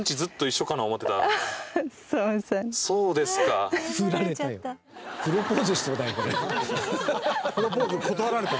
石原：プロポーズ、断られた。